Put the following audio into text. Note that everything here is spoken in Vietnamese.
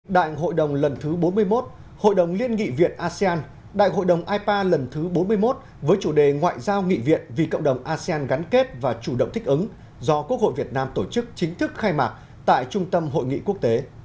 đại hội đồng lần thứ bốn mươi một hội đồng liên nghị viện asean đại hội đồng ipa lần thứ bốn mươi một với chủ đề ngoại giao nghị viện vì cộng đồng asean gắn kết và chủ động thích ứng do quốc hội việt nam tổ chức chính thức khai mạc tại trung tâm hội nghị quốc tế